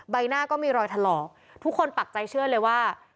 ใบหน้าก็มีรอยถลอกทุกคนปักใจเชื่อเลยว่า